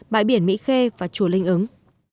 bãi biển mỹ khê và chùa linh ứng